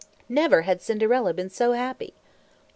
Never had Cinderella been so happy!